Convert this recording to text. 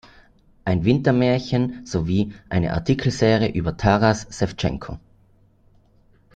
Ein Wintermärchen" sowie eine Artikelserie über Taras Schewtschenko.